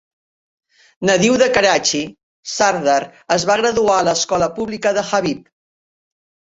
Nadiu de Karachi, Sardar es va graduar a l'Escola Pública de Habib.